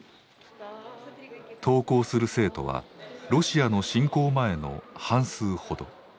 登校する生徒はロシアの侵攻前の半数ほど。